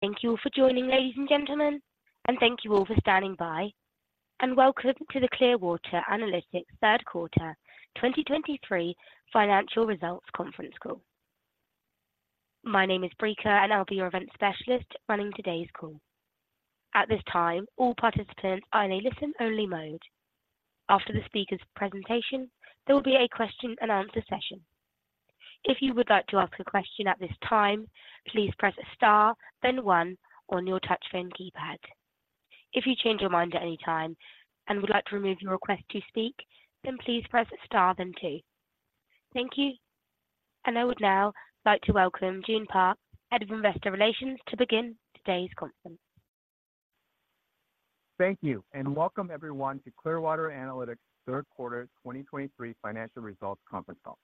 Thank you all for joining, ladies and gentlemen, and thank you all for standing by, and welcome to the Clearwater Analytics Third Quarter 2023 Financial Results Conference Call. My name is Brika, and I'll be your event specialist running today's call. At this time, all participants are in a listen-only mode. After the speaker's presentation, there will be a question-and-answer session. If you would like to ask a question at this time, please press star, then one on your touch-tone keypad. If you change your mind at any time and would like to remove your request to speak, then please press star, then two. Thank you, and I would now like to welcome Joon Park, Head of Investor Relations, to begin today's conference. Thank you, and welcome everyone to Clearwater Analytics Third Quarter 2023 Financial Results Conference Call.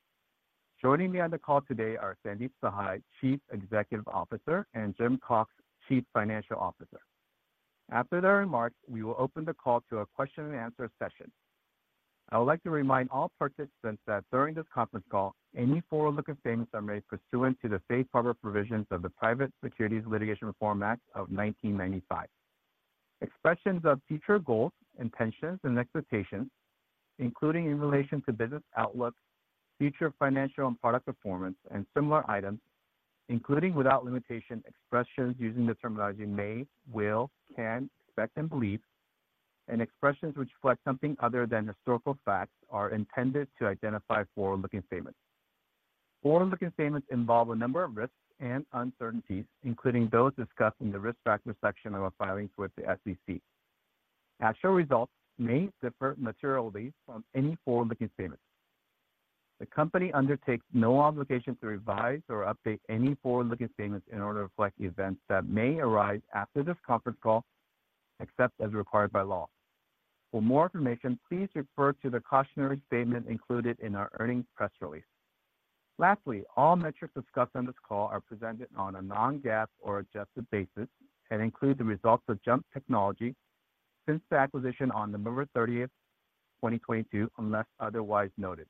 Joining me on the call today are Sandeep Sahai, Chief Executive Officer, and Jim Cox, Chief Financial Officer. After their remarks, we will open the call to a question-and-answer session. I would like to remind all participants that during this conference call, any forward-looking statements are made pursuant to the safe harbor provisions of the Private Securities Litigation Reform Act of 1995. Expressions of future goals, intentions, and expectations, including in relation to business outlook, future financial and product performance, and similar items, including without limitation, expressions using the terminology may, will, can, expect, and believe, and expressions which reflect something other than historical facts are intended to identify forward-looking statements. Forward-looking statements involve a number of risks and uncertainties, including those discussed in the risk factor section of our filings with the SEC. Actual results may differ materially from any forward-looking statements. The company undertakes no obligation to revise or update any forward-looking statements in order to reflect the events that may arise after this conference call, except as required by law. For more information, please refer to the cautionary statement included in our earnings press release. Lastly, all metrics discussed on this call are presented on a non-GAAP or adjusted basis and include the results of JUMP Technology since the acquisition on November 30th, 2022, unless otherwise noted.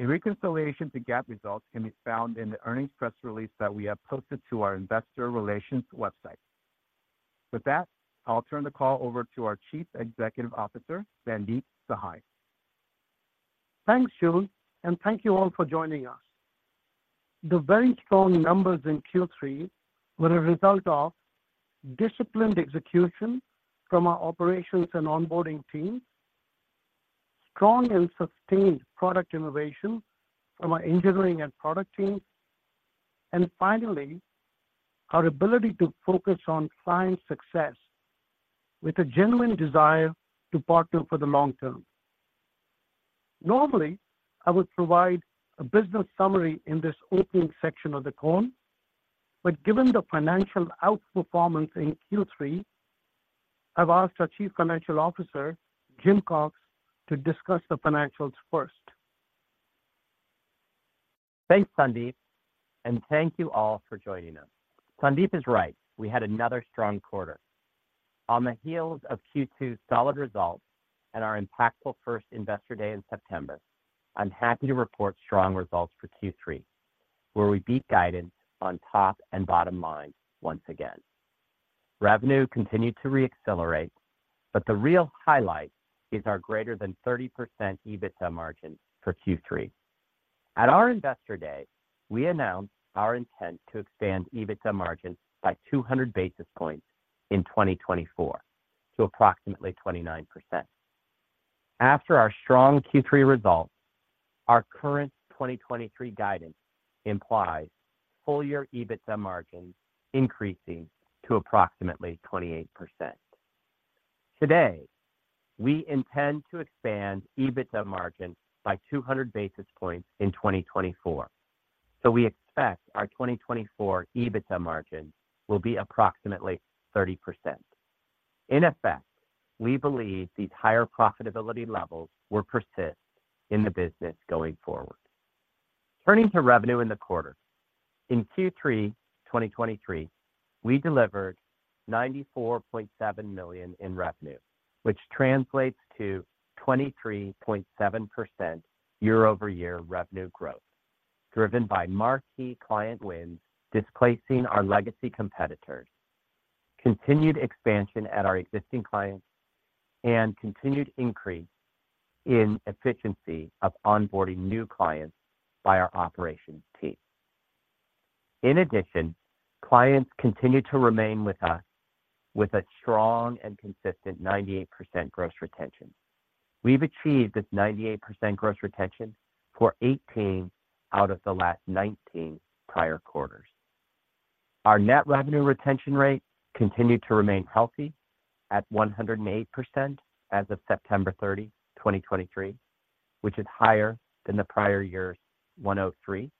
A reconciliation to GAAP results can be found in the earnings press release that we have posted to our investor relations website. With that, I'll turn the call over to our Chief Executive Officer, Sandeep Sahai. Thanks, Joon, and thank you all for joining us. The very strong numbers in Q3 were a result of disciplined execution from our operations and onboarding teams, strong and sustained product innovation from our engineering and product teams, and finally, our ability to focus on client success with a genuine desire to partner for the long term. Normally, I would provide a business summary in this opening section of the call, but given the financial outperformance in Q3, I've asked our Chief Financial Officer, Jim Cox, to discuss the financials first. Thanks, Sandeep, and thank you all for joining us. Sandeep is right. We had another strong quarter. On the heels of Q2's solid results and our impactful first Investor Day in September, I'm happy to report strong results for Q3, where we beat guidance on top and bottom line once again. Revenue continued to re-accelerate, but the real highlight is our greater than 30% EBITDA margin for Q3. At our Investor Day, we announced our intent to expand EBITDA margins by 200 basis points in 2024 to approximately 29%. After our strong Q3 results, our current 2023 guidance implies full-year EBITDA margins increasing to approximately 28%. Today, we intend to expand EBITDA margin by 200 basis points in 2024, so we expect our 2024 EBITDA margin will be approximately 30%. In effect, we believe these higher profitability levels will persist in the business going forward. Turning to revenue in the quarter. In Q3, 2023, we delivered $94.7 million in revenue, which translates to 23.7% year-over-year revenue growth, driven by marquee client wins, displacing our legacy competitors, continued expansion at our existing clients, and continued increase in efficiency of onboarding new clients by our operations team. In addition, clients continue to remain with us with a strong and consistent 98% gross retention. We've achieved this 98% gross retention for 18 out of the last 19 prior quarters. Our net revenue retention rate continued to remain healthy at 108% as of September 30, 2023, which is higher than the prior year's 103.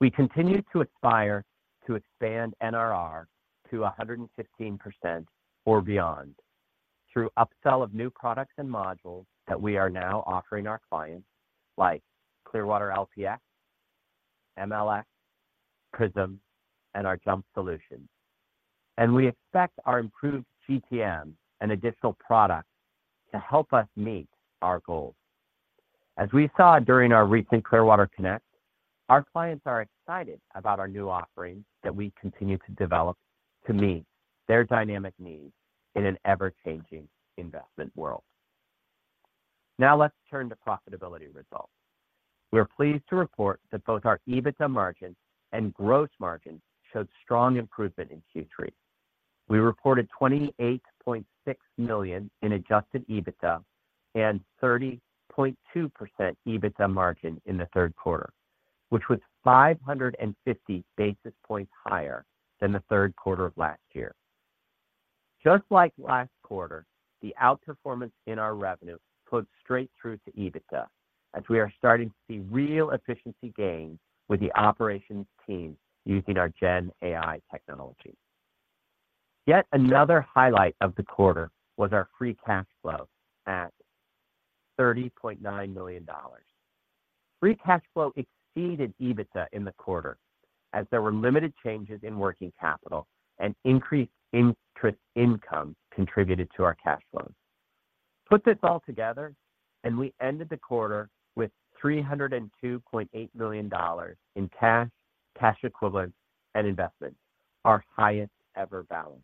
We continue to aspire to expand NRR to 115% or beyond through upsell of new products and modules that we are now offering our clients, like Clearwater LPx, MLx, Prism, and our JUMP solutions. We expect our improved GTM and additional products to help us meet our goals. As we saw during our recent Clearwater Connect, our clients are excited about our new offerings that we continue to develop to meet their dynamic needs in an ever-changing investment world. Now let's turn to profitability results. We are pleased to report that both our EBITDA margin and gross margin showed strong improvement in Q3. We reported $28.6 million in adjusted EBITDA and 30.2% EBITDA margin in the third quarter, which was 550 basis points higher than the third quarter of last year. Just like last quarter, the outperformance in our revenue flowed straight through to EBITDA, as we are starting to see real efficiency gains with the operations team using our GenAI technology. Yet another highlight of the quarter was our free cash flow at $30.9 million. Free cash flow exceeded EBITDA in the quarter as there were limited changes in working capital and increased interest income contributed to our cash flows. Put this all together, and we ended the quarter with $302.8 million in cash, cash equivalents, and investments, our highest ever balance.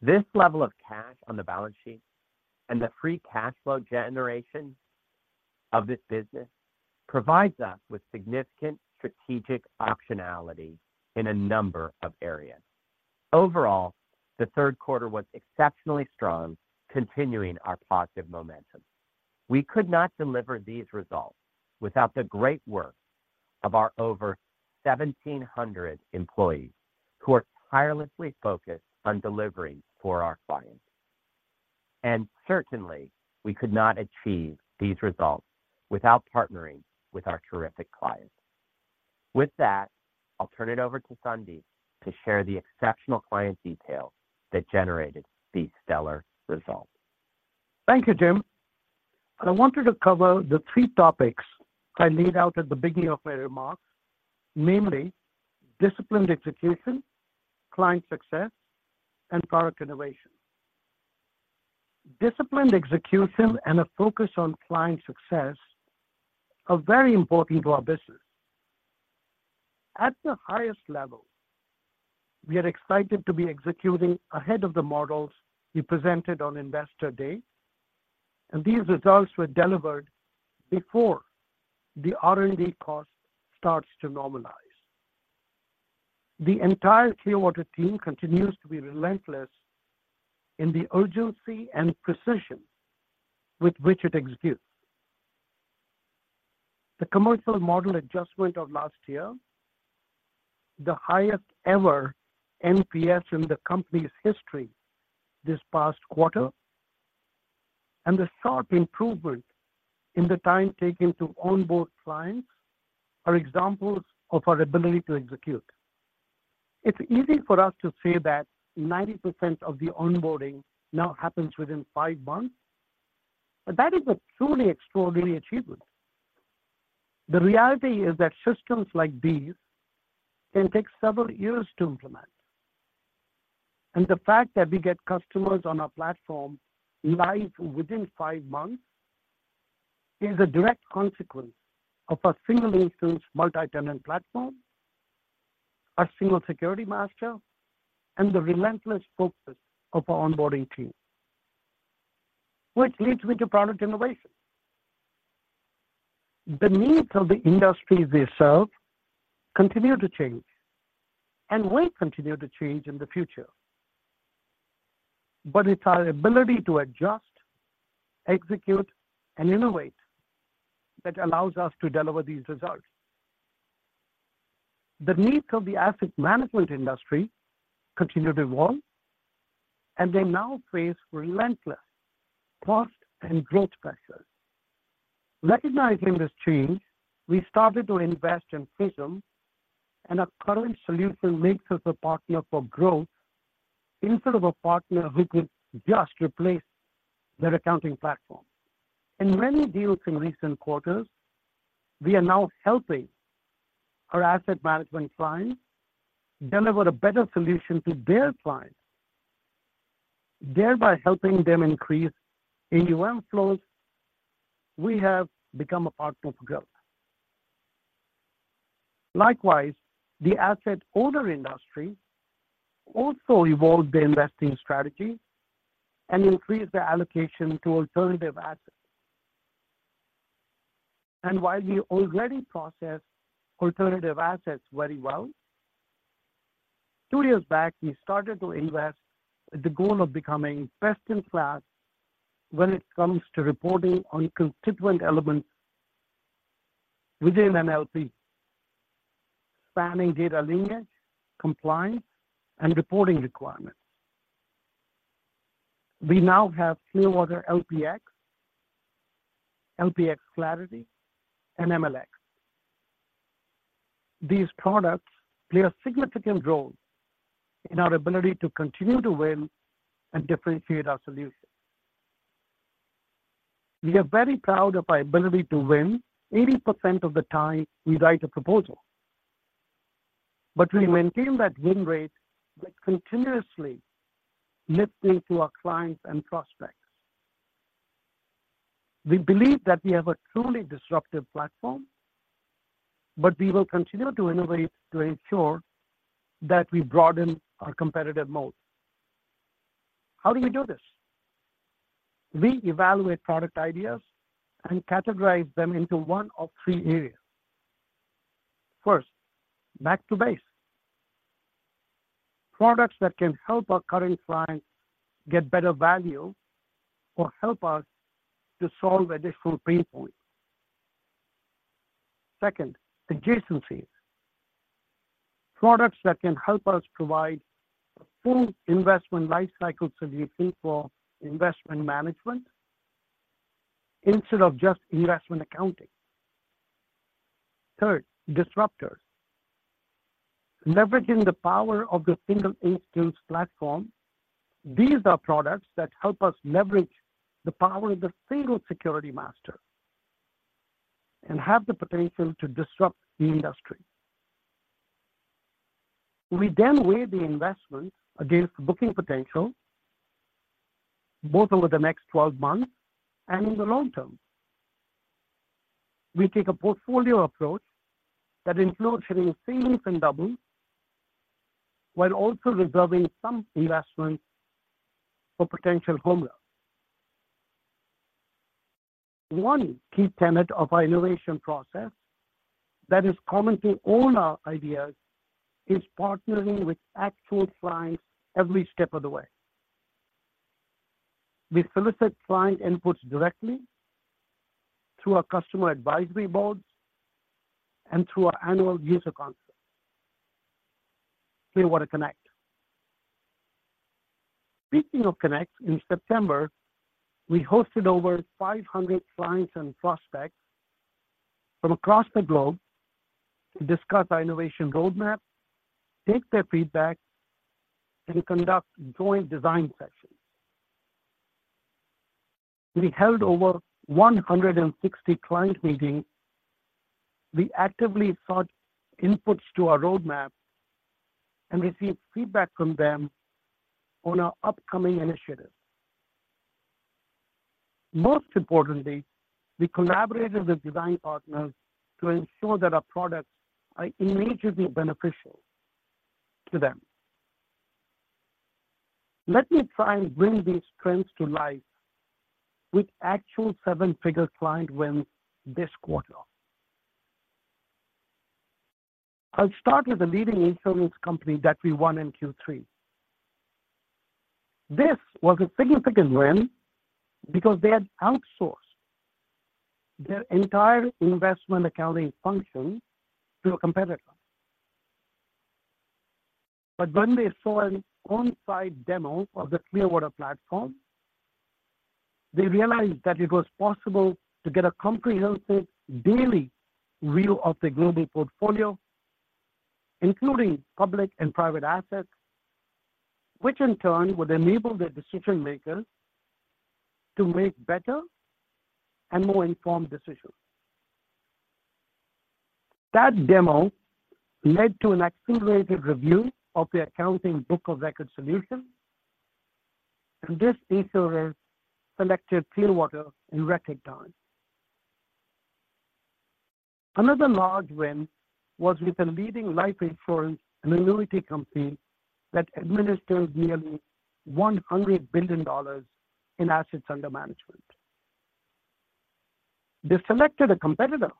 This level of cash on the balance sheet and the free cash flow generation of this business provides us with significant strategic optionality in a number of areas. Overall, the third quarter was exceptionally strong, continuing our positive momentum. We could not deliver these results without the great work of our over 1,700 employees, who are tirelessly focused on delivering for our clients. Certainly, we could not achieve these results without partnering with our terrific clients. With that, I'll turn it over to Sandeep to share the exceptional client details that generated these stellar results. Thank you, Jim. I wanted to cover the three topics I laid out at the beginning of my remarks, namely disciplined execution, client success, and product innovation. Disciplined execution and a focus on client success are very important to our business. At the highest level, we are excited to be executing ahead of the models we presented on Investor Day, and these results were delivered before the R&D cost starts to normalize. The entire Clearwater team continues to be relentless in the urgency and precision with which it executes. The commercial model adjustment of last year, the highest ever NPS in the company's history this past quarter, and the sharp improvement in the time taken to onboard clients are examples of our ability to execute. It's easy for us to say that 90% of the onboarding now happens within five months, but that is a truly extraordinary achievement. The reality is that systems like these can take several years to implement, and the fact that we get customers on our platform live within five months is a direct consequence of a single-instance multi-tenant platform, a single security master, and the relentless focus of our onboarding team, which leads me to product innovation. The needs of the industries we serve continue to change and will continue to change in the future. It's our ability to adjust, execute, and innovate that allows us to deliver these results. The needs of the asset management industry continue to evolve, and they now face relentless cost and growth pressures. Recognizing this change, we started to invest in Prism, and our current solution makes us a partner for growth instead of a partner who could just replace their accounting platform. In many deals in recent quarters, we are now helping our asset management clients deliver a better solution to their clients, thereby helping them increase AUM flows, we have become a partner for growth. Likewise, the asset owner industry also evolved their investing strategy and increased their allocation to alternative assets. While we already process alternative assets very well, two years back, we started to invest with the goal of becoming best-in-class when it comes to reporting on constituent elements within an LP, spanning data lineage, compliance, and reporting requirements. We now have Clearwater LPx, LPx Clarity, and MLx. These products play a significant role in our ability to continue to win and differentiate our solutions. We are very proud of our ability to win 80% of the time we write a proposal. We maintain that win rate by continuously listening to our clients and prospects. We believe that we have a truly disruptive platform, but we will continue to innovate to ensure that we broaden our competitive moat. How do we do this? We evaluate product ideas and categorize them into one of three areas. First, Back to Base. Products that can help our current clients get better value or help us to solve additional pain points. Second, adjacencies. Products that can help us provide a full investment lifecycle solution for investment management instead of just investment accounting. Third, disruptors. Leveraging the power of the single instance platform, these are products that help us leverage the power of the Single Security Master and have the potential to disrupt the industry. We then weigh the investment against booking potential, both over the next 12 months and in the long term. We take a portfolio approach that includes hitting singles and doubles, while also reserving some investment for potential home runs. One key tenet of our innovation process that is common to all our ideas, is partnering with actual clients every step of the way. We solicit client inputs directly through our customer advisory boards and through our annual user conference, Clearwater Connect. Speaking of Connect, in September, we hosted over 500 clients and prospects from across the globe to discuss our innovation roadmap, take their feedback, and conduct joint design sessions. We held over 160 client meetings. We actively sought inputs to our roadmap and received feedback from them on our upcoming initiatives. Most importantly, we collaborated with design partners to ensure that our products are immediately beneficial to them. Let me try and bring these trends to life with actual seven-figure client wins this quarter. I'll start with a leading insurance company that we won in Q3. This was a significant win because they had outsourced their entire investment accounting function to a competitor. But when they saw an on-site demo of the Clearwater platform, they realized that it was possible to get a comprehensive daily view of their global portfolio, including public and private assets, which in turn would enable their decision-makers to make better and more informed decisions. That demo led to an accelerated review of the accounting book of record solutions, and this insurer selected Clearwater in record time. Another large win was with a leading life insurance and annuity company that administers nearly $100 billion in assets under management. They selected a competitor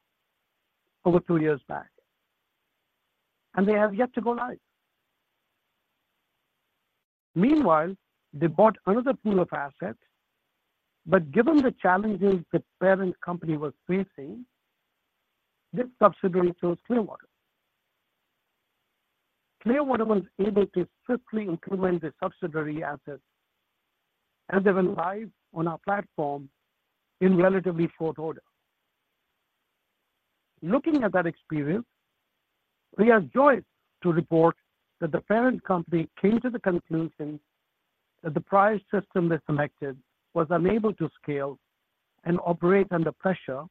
over two years back, and they have yet to go live. Meanwhile, they bought another pool of assets, but given the challenges the parent company was facing, this subsidiary chose Clearwater. Clearwater was able to swiftly implement the subsidiary assets, and they went live on our platform in relatively short order. Looking at that experience, we are joyous to report that the parent company came to the conclusion that the prior system they selected was unable to scale and operate under pressure,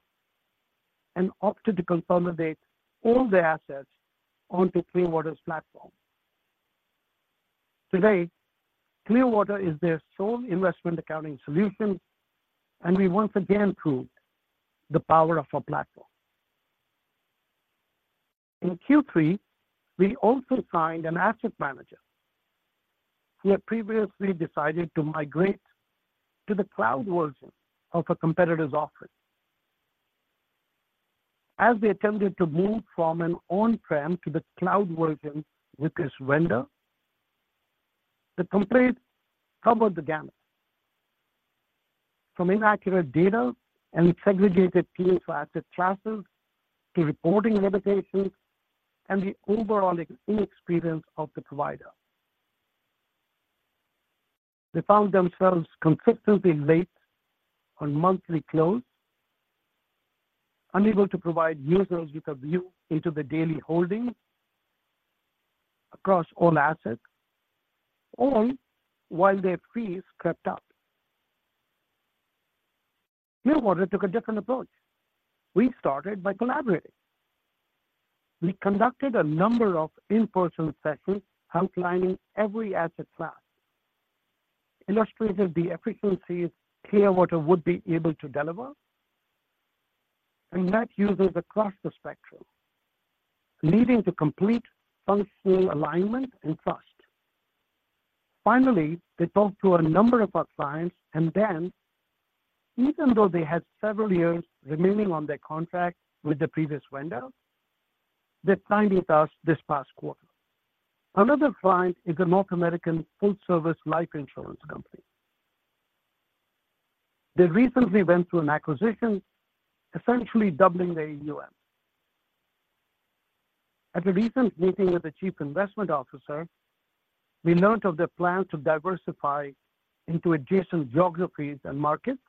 and opted to consolidate all their assets onto Clearwater's platform. Today, Clearwater is their sole investment accounting solution, and we once again proved the power of our platform. In Q3, we also signed an asset manager who had previously decided to migrate to the cloud version of a competitor's offering. As they attempted to move from an on-prem to the cloud version with this vendor, the complaints covered the gamut. From inaccurate data and segregated teams for asset classes, to reporting limitations and the overall inexperience of the provider. They found themselves consistently late on monthly close, unable to provide users with a view into the daily holdings across all assets, all while their fees crept up.... Clearwater took a different approach. We started by collaborating. We conducted a number of in-person sessions outlining every asset class, illustrated the efficiencies Clearwater would be able to deliver, and that users across the spectrum, leading to complete functional alignment and trust. Finally, they talked to a number of our clients, and then even though they had several years remaining on their contract with the previous vendor, they signed with us this past quarter. Another client is a North American full-service life insurance company. They recently went through an acquisition, essentially doubling their AUM. At a recent meeting with the chief investment officer, we learned of their plan to diversify into adjacent geographies and markets,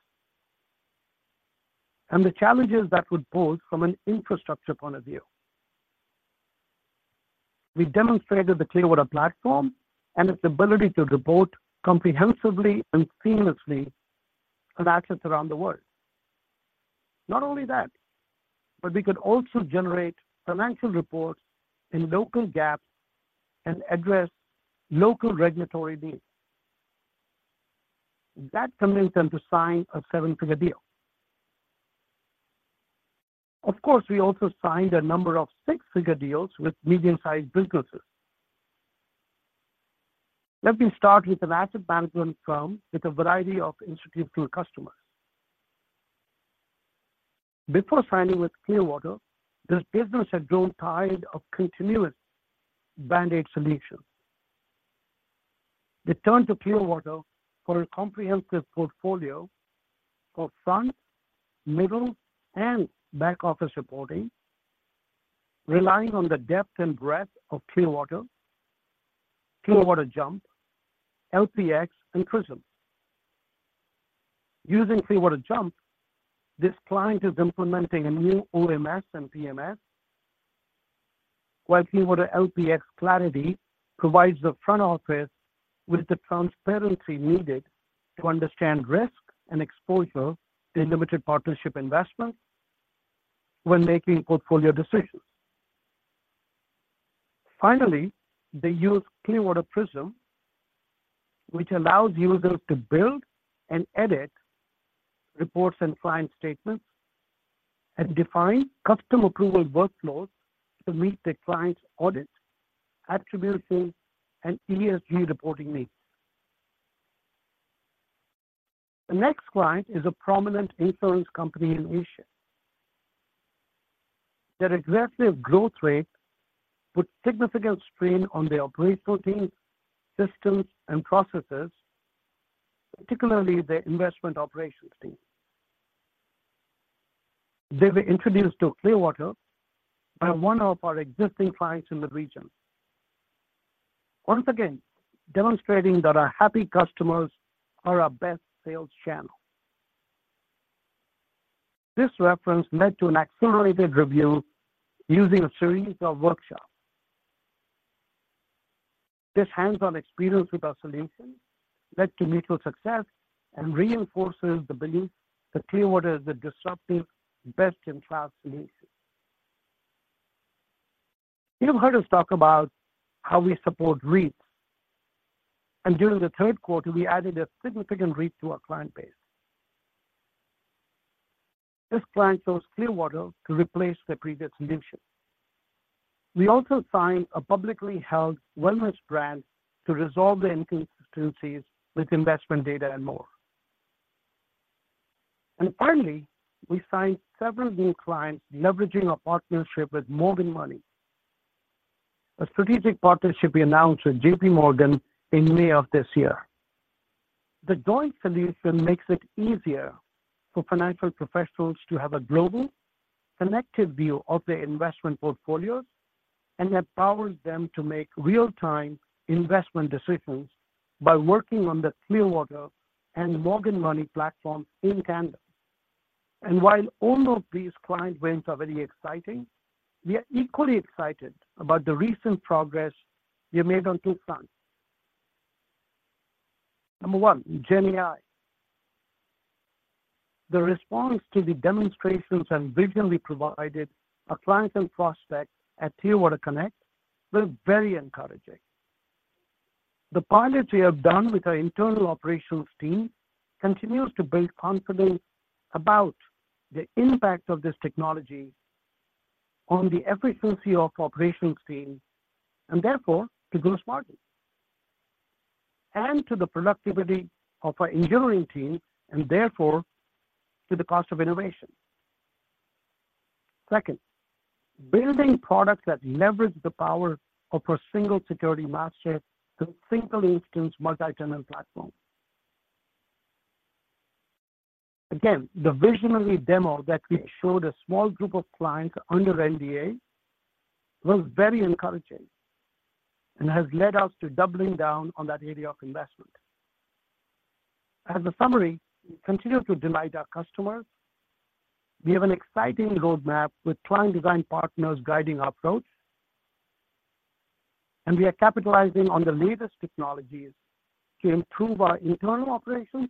and the challenges that would pose from an infrastructure point of view. We demonstrated the Clearwater platform and its ability to report comprehensively and seamlessly of assets around the world. Not only that, but we could also generate financial reports in local GAAP and address local regulatory needs. That convinced them to sign a seven-figure deal. Of course, we also signed a number of six-figure deals with medium-sized businesses. Let me start with an asset management firm with a variety of institutional customers. Before signing with Clearwater, this business had grown tired of continuous band-aid solutions. They turned to Clearwater for a comprehensive portfolio of front, middle, and back-office reporting, relying on the depth and breadth of Clearwater, Clearwater JUMP, LPx, and Prism. Using Clearwater JUMP, this client is implementing a new OMS and PMS, while Clearwater LPx Clarity provides the front office with the transparency needed to understand risk and exposure in limited partnership investments when making portfolio decisions. Finally, they use Clearwater Prism, which allows users to build and edit reports and client statements and define custom approval workflows to meet their clients' audit, attribution, and ESG reporting needs. The next client is a prominent insurance company in Asia. Their aggressive growth rate put significant strain on their operational teams, systems, and processes, particularly their investment operations team. They were introduced to Clearwater by one of our existing clients in the region. Once again, demonstrating that our happy customers are our best sales channel. This reference led to an accelerated review using a series of workshops. This hands-on experience with our solutions led to mutual success and reinforces the belief that Clearwater is the disruptive, best-in-class solution. You have heard us talk about how we support REITs, and during the third quarter, we added a significant REIT to our client base. This client chose Clearwater to replace their previous solution. We also signed a publicly held wellness brand to resolve the inconsistencies with investment data and more. And finally, we signed several new clients leveraging our partnership with Morgan Money, a strategic partnership we announced with JPMorgan in May of this year. The joint solution makes it easier for financial professionals to have a global, connected view of their investment portfolios and empowers them to make real-time investment decisions by working on the Clearwater and Morgan Money platform in Canada. While all of these client wins are very exciting, we are equally excited about the recent progress we have made on two fronts. Number one, GenAI. The response to the demonstrations and vision we provided our clients and prospects at Clearwater Connect was very encouraging. The pilots we have done with our internal operations team continues to build confidence about the impact of this technology on the efficiency of operations team, and therefore, to gross margin, and to the productivity of our engineering team, and therefore, to the cost of innovation. Second, building products that leverage the power of a single security master to single-instance multi-tenant platform. Again, the visionary demo that we showed a small group of clients under NDA was very encouraging and has led us to doubling down on that area of investment. As a summary, we continue to delight our customers. We have an exciting roadmap with client design partners guiding our approach... and we are capitalizing on the latest technologies to improve our internal operations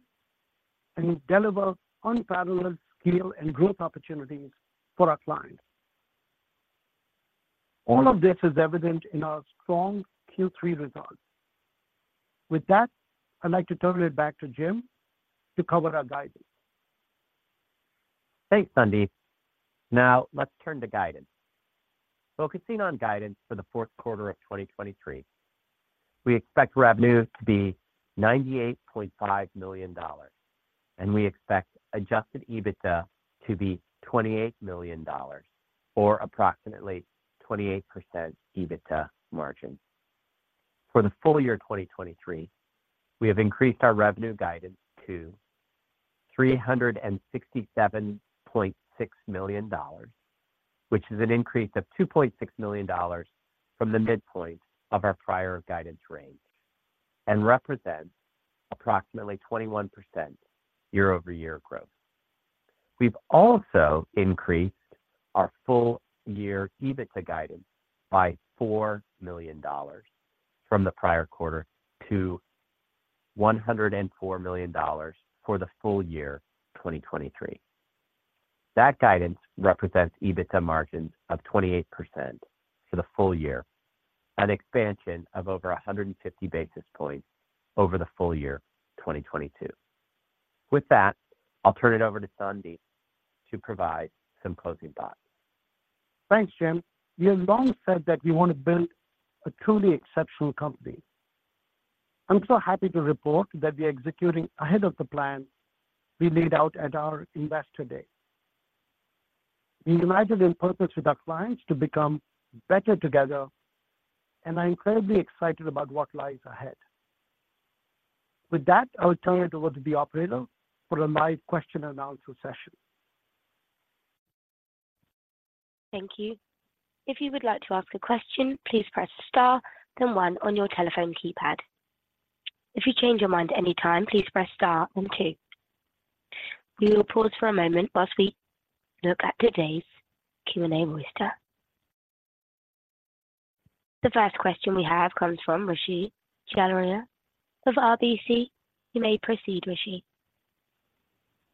and deliver unparalleled scale and growth opportunities for our clients. All of this is evident in our strong Q3 results. With that, I'd like to turn it back to Jim to cover our guidance. Thanks, Sandeep. Now, let's turn to guidance. Focusing on guidance for the fourth quarter of 2023, we expect revenue to be $98.5 million, and we expect adjusted EBITDA to be $28 million or approximately 28% EBITDA margin. For the full year 2023, we have increased our revenue guidance to $367.6 million, which is an increase of $2.6 million from the midpoint of our prior guidance range and represents approximately 21% year-over-year growth. We've also increased our full year EBITDA guidance by $4 million from the prior quarter to $104 million for the full year 2023. That guidance represents EBITDA margins of 28% for the full year, an expansion of over 150 basis points over the full year 2022. With that, I'll turn it over to Sandeep to provide some closing thoughts. Thanks, Jim. We have long said that we want to build a truly exceptional company. I'm so happy to report that we are executing ahead of the plan we laid out at our investor day. We united in purpose with our clients to become better together, and I'm incredibly excited about what lies ahead. With that, I will turn it over to the operator for a live question and answer session. Thank you. If you would like to ask a question, please press Star, then one on your telephone keypad. If you change your mind at any time, please press Star, then two. We will pause for a moment while we look at today's Q&A roster. The first question we have comes from Rishi Jaluria of RBC. You may proceed, Rishi.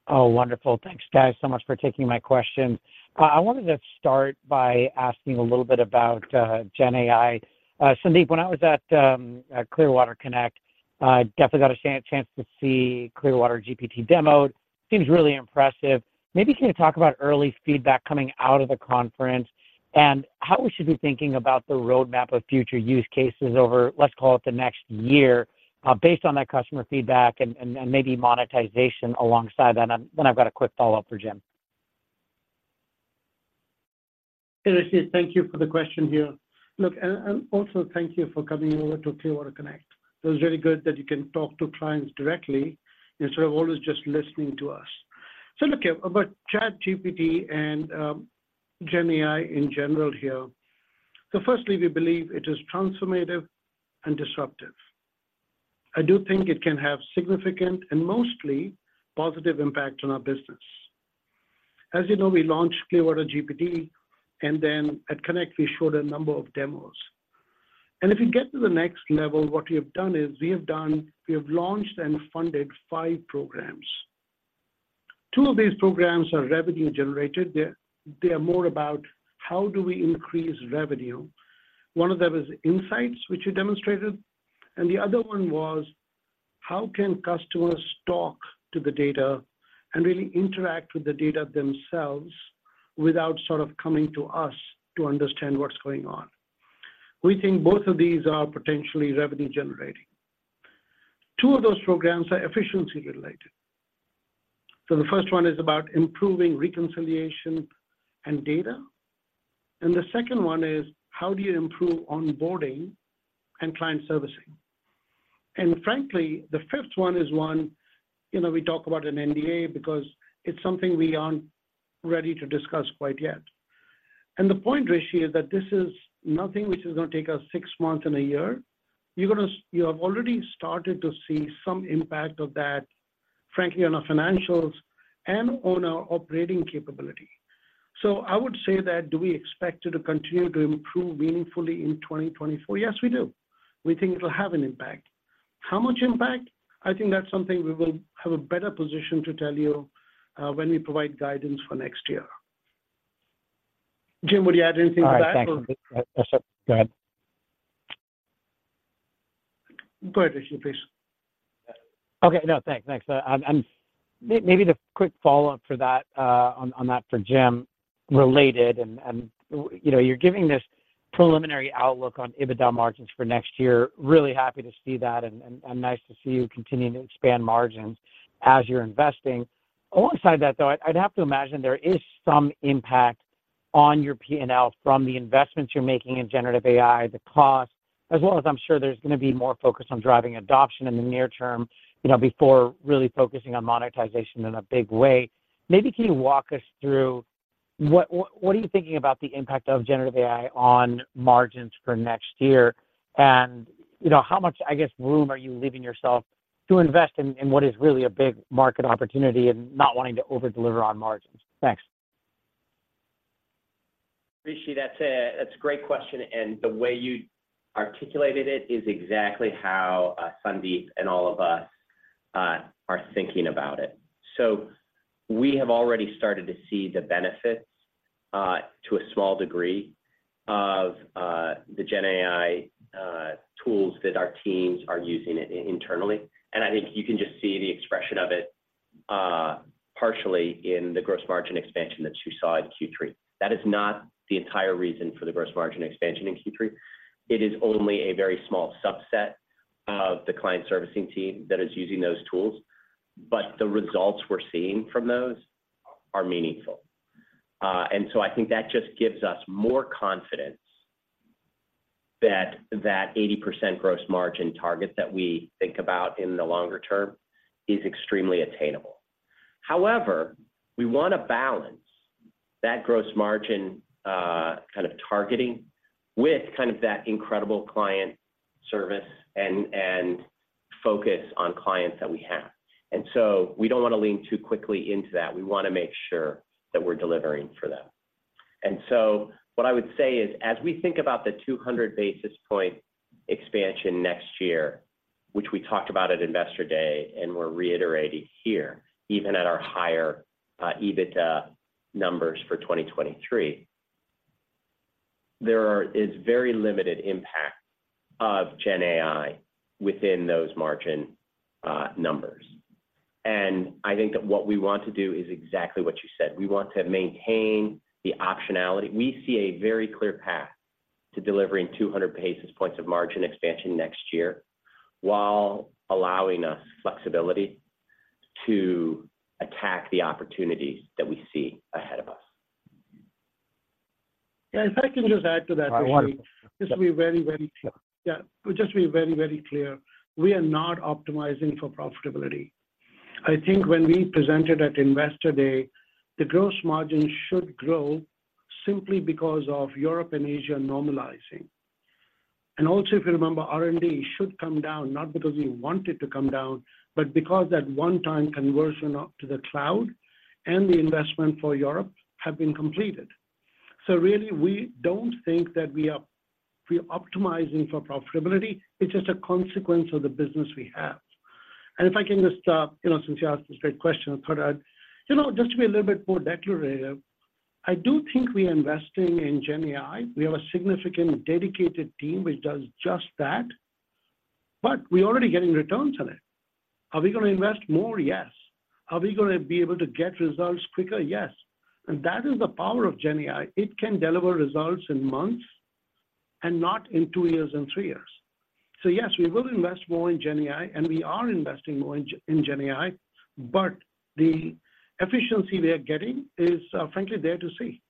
Oh, wonderful. Thanks, guys, so much for taking my question. I wanted to start by asking a little bit about GenAI. Sandeep, when I was at Clearwater Connect, I definitely got a chance to see Clearwater GPT demoed. Seems really impressive. Maybe can you talk about early feedback coming out of the conference and how we should be thinking about the roadmap of future use cases over, let's call it the next year, based on that customer feedback and maybe monetization alongside that? Then I've got a quick follow-up for Jim. Hey, Rishi, thank you for the question here. Look, also thank you for coming over to Clearwater Connect. So, it's really good that you can talk to clients directly instead of always just listening to us. So, look, here, about ChatGPT and, GenAI in general here. So firstly, we believe it is transformative and disruptive. I do think it can have significant and mostly positive impact on our business. As you know, we launched Clearwater GPT, and then at Connect, we showed a number of demos. And if you get to the next level, what we have done is we have launched and funded five programs. Two of these programs are revenue-generated. They are more about how do we increase revenue. One of them is insights, which you demonstrated, and the other one was, how can customers talk to the data and really interact with the data themselves without sort of coming to us to understand what's going on? We think both of these are potentially revenue-generating. Two of those programs are efficiency-related. The first one is about improving reconciliation and data, and the second one is how do you improve onboarding and client servicing. Frankly, the fifth one is one, you know, we talk about an NDA because it's something we aren't ready to discuss quite yet. The point, Rishi, is that this is nothing which is going to take us six months and a year. You're gonna- you have already started to see some impact of that, frankly, on our financials and on our operating capability. So, I would say that do we expect it to continue to improve meaningfully in 2024? Yes, we do. We think it'll have an impact. How much impact? I think that's something we will have a better position to tell you, when we provide guidance for next year. Jim, would you add anything to that or- All right, thanks. Go ahead. Go ahead, Rishi, please. Okay, no, thanks. Thanks. And maybe the quick follow-up for that, on that for Jim related, and you know, you're giving this preliminary outlook on EBITDA margins for next year. Really happy to see that, and nice to see you continuing to expand margins as you're investing. Alongside that, though, I'd have to imagine there is some impact on your PNL from the investments you're making in generative AI, the cost, as well as I'm sure there's going to be more focus on driving adoption in the near term, you know, before really focusing on monetization in a big way. Maybe can you walk us through what are you thinking about the impact of generative AI on margins for next year? You know, how much, I guess, room are you leaving yourself to invest in what is really a big market opportunity and not wanting to over-deliver on margins? Thanks.... Rishi, that's a great question, and the way you articulated it is exactly how Sandeep and all of us are thinking about it. So, we have already started to see the benefits to a small degree of the GenAI tools that our teams are using internally. And I think you can just see the expression of it partially in the gross margin expansion that you saw in Q3. That is not the entire reason for the gross margin expansion in Q3. It is only a very small subset of the client servicing team that is using those tools, but the results we're seeing from those are meaningful. And so, I think that just gives us more confidence that that 80% gross margin target that we think about in the longer term is extremely attainable. However, we wanna balance that gross margin, kind of targeting with kind of that incredible client service and focus on clients that we have. And so, we don't wanna lean too quickly into that. We wanna make sure that we're delivering for them. And so, what I would say is, as we think about the 200 basis point expansion next year, which we talked about at Investor Day, and we're reiterating here, even at our higher EBITDA numbers for 2023, there is very limited impact of GenAI within those margin numbers. And I think that what we want to do is exactly what you said. We want to maintain the optionality. We see a very clear path to delivering 200 basis points of margin expansion next year, while allowing us flexibility to attack the opportunities that we see ahead of us. Yeah, if I can just add to that, Rishi- Wonderful. Just to be very, very clear. Yeah, just to be very, very clear, we are not optimizing for profitability. I think when we presented at Investor Day, the gross margin should grow simply because of Europe and Asia normalizing. And also, if you remember, R&D should come down, not because we want it to come down, but because that one-time conversion up to the cloud and the investment for Europe have been completed. So really, we don't think that we're optimizing for profitability, it's just a consequence of the business we have. And if I can just, you know, since you asked a straight question, I thought I'd... You know, just to be a little bit more declarative, I do think we are investing in GenAI. We have a significant dedicated team which does just that, but we're already getting returns on it. Are we gonna invest more? Yes. Are we gonna be able to get results quicker? Yes. That is the power of GenAI. It can deliver results in months and not in two years and three years. So yes, we will invest more in GenAI, and we are investing more in GenAI, but the efficiency we are getting is, frankly, there to see.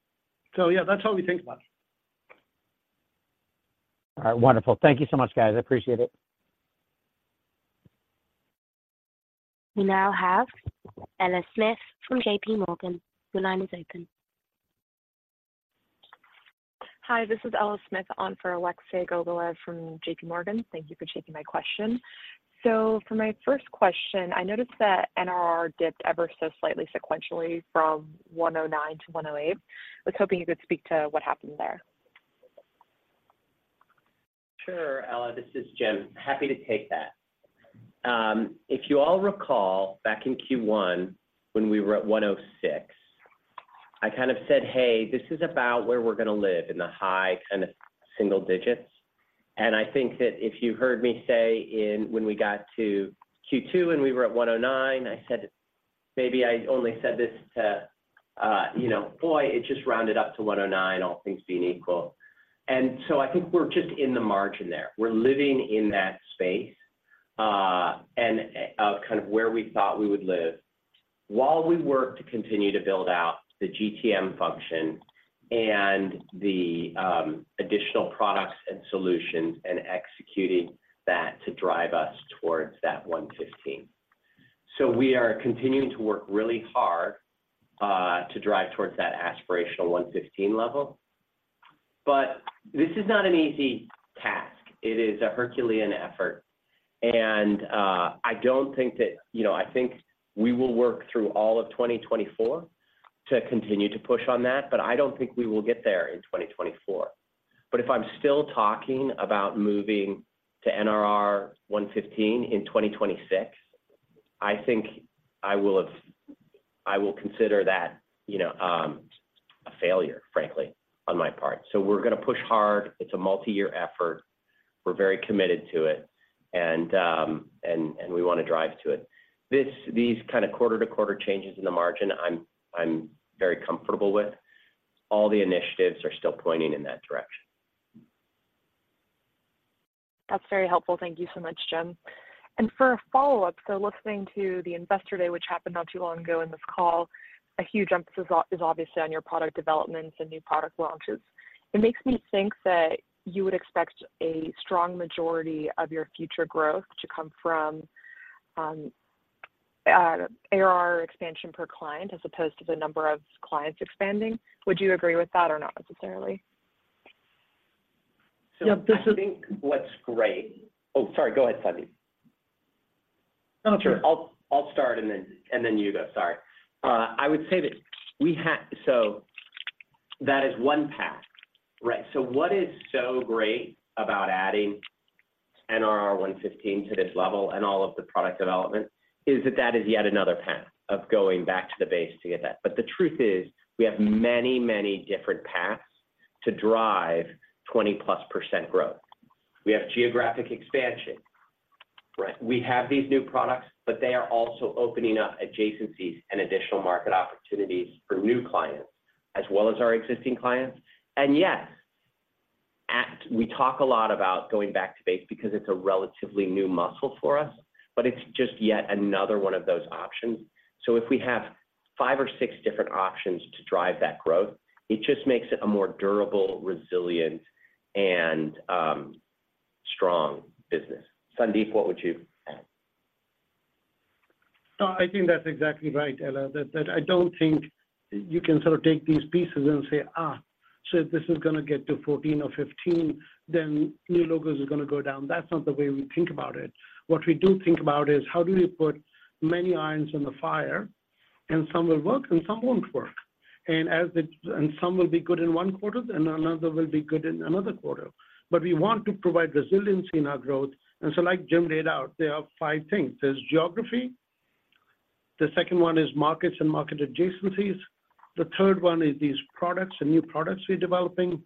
So yeah, that's how we think about it. All right. Wonderful. Thank you so much, guys. I appreciate it. We now have Ella Smith from JPMorgan. Your line is open. Hi, this is Ella Smith on for Alexei Gogolev from JPMorgan. Thank you for taking my question. So, for my first question, I noticed that NRR dipped ever so slightly sequentially from 109 to 108. I was hoping you could speak to what happened there. Sure, Ella, this is Jim. Happy to take that. If you all recall, back in Q1, when we were at 106, I kind of said: Hey, this is about where we're gonna live, in the high kind of single digits. I think that if you heard me say in-- when we got to Q2 and we were at 109, I said, maybe I only said this to, you know, boy, it just rounded up to 109, all things being equal. I think we're just in the margin there. We're living in that space, kind of where we thought we would live, while we work to continue to build out the GTM function and the additional products and solutions and executing that to drive us towards that 115. So, we are continuing to work really hard to drive towards that aspirational 115 level. But this is not an easy task. It is a Herculean effort, and I don't think that... You know, I think we will work through all of 2024 to continue to push on that, but I don't think we will get there in 2024. But if I'm still talking about moving to NRR 115 in 2026, I think I will consider that, you know, a failure, frankly, on my part. So, we're gonna push hard. It's a multi-year effort. We're very committed to it, and we wanna drive to it. These kind of quarter-to-quarter changes in the margin, I'm very comfortable with. All the initiatives are still pointing in that direction. That's very helpful. Thank you so much, Jim. And for a follow-up, so listening to the Investor Day, which happened not too long ago in this call, a huge emphasis obviously is on your product developments and new product launches. It makes me think that you would expect a strong majority of your future growth to come from ARR expansion per client, as opposed to the number of clients expanding. Would you agree with that or not necessarily?... So, I think what's great. Oh, sorry, go ahead, Sandeep. No, I'm sure. I'll start and then you go. Sorry. I would say that we have-- That is one path, right? What is so great about adding NRR 115 to this level and all of the product development, is that that is yet another path of going back to the base to get that. The truth is, we have many, many different paths to drive 20%+ growth. We have geographic expansion, right? We have these new products, but they are also opening up adjacencies and additional market opportunities for new clients, as well as our existing clients. Yes, we talk a lot about going back to base because it's a relatively new muscle for us, but it's just yet another one of those options. So, if we have five or six different options to drive that growth, it just makes it a more durable, resilient, and, strong business. Sandeep, what would you add? I think that's exactly right, Ella. That I don't think you can sort of take these pieces and say, "Ah, so if this is gonna get to 14 or 15, then new logos are gonna go down." That's not the way we think about it. What we do think about is, how do we put many irons in the fire? And some will work, and some won't work. And some will be good in one quarter, and another will be good in another quarter. But we want to provide resiliency in our growth. And so, like Jim laid out, there are five things. There's geography, the second one is markets and market adjacencies. The third one is these products and new products we're developing.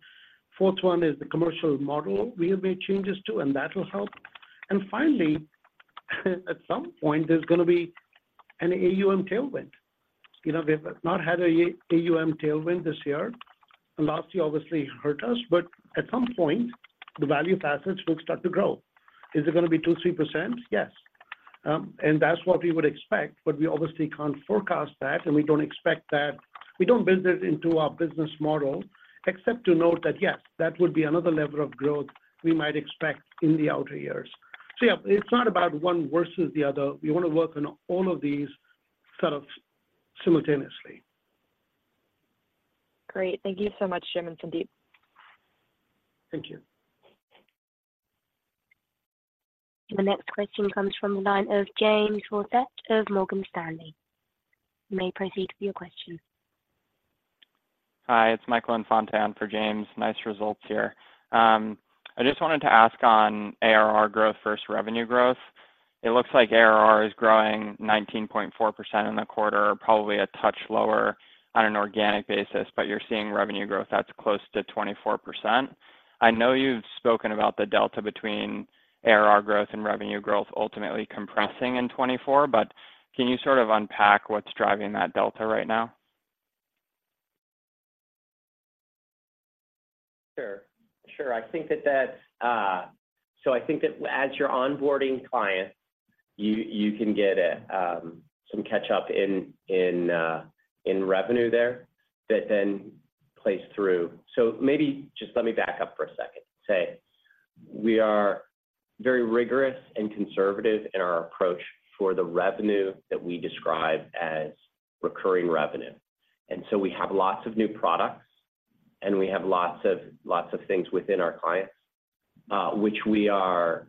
Fourth one is the commercial model we have made changes to, and that will help. Finally, at some point, there's gonna be an AUM tailwind. You know, we've not had an AUM tailwind this year. Last year obviously hurt us, but at some point, the value of assets will start to grow. Is it gonna be 2%-3%? Yes, and that's what we would expect, but we obviously can't forecast that, and we don't expect that. We don't build it into our business model, except to note that, yes, that would be another level of growth we might expect in the outer years. So yeah, it's not about one versus the other. We want to work on all of these sort of simultaneously. Great. Thank you so much, Jim and Sandeep. Thank you. The next question comes from the line of James Faucette of Morgan Stanley. You may proceed with your question. Hi, it's Michael Infante for James. Nice results here. I just wanted to ask on ARR growth versus revenue growth. It looks like ARR is growing 19.4% in the quarter, probably a touch lower on an organic basis, but you're seeing revenue growth that's close to 24%. I know you've spoken about the delta between ARR growth and revenue growth ultimately compressing in 2024, but can you sort of unpack what's driving that delta right now? Sure. Sure, I think that that's... So, I think that as you're onboarding clients, you, you can get some catch up in, in, in revenue there that then plays through. So maybe just let me back up for a second and say we are very rigorous and conservative in our approach for the revenue that we describe as recurring revenue. And so, we have lots of new products, and we have lots of, lots of things within our clients, which we are,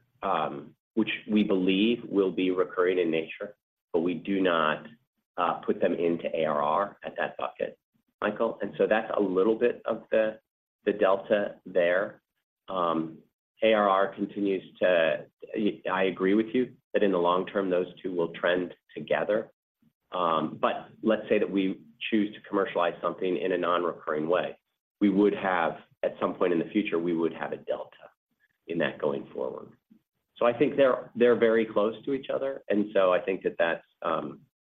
which we believe will be recurring in nature, but we do not put them into ARR at that bucket, Michael. And so that's a little bit of the, the delta there. ARR continues to... I agree with you, that in the long term, those two will trend together. But let's say that we choose to commercialize something in a non-recurring way. We would have, at some point in the future, we would have a delta in that going forward. So, I think they're, they're very close to each other, and so I think that that's,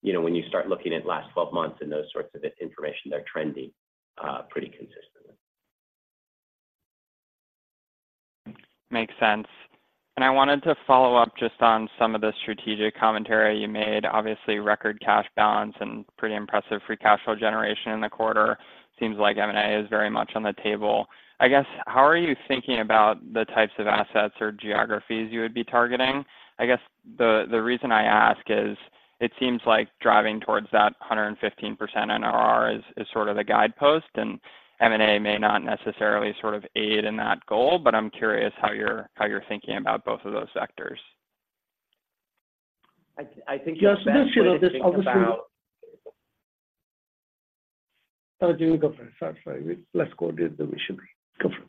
you know, when you start looking at last twelve months and those sorts of information, they're trending pretty consistently. Makes sense. I wanted to follow up just on some of the strategic commentary you made. Obviously, record cash balance and pretty impressive free cash flow generation in the quarter. Seems like M&A is very much on the table. I guess, how are you thinking about the types of assets or geographies you would be targeting? I guess the reason I ask is, it seems like driving towards that 115% NRR is sort of the guidepost, and M&A may not necessarily sort of aid in that goal, but I'm curious how you're thinking about both of those vectors. I think the best way to think about- Jim, go for it. Sorry, sorry. Let's go with it, then we should go for it.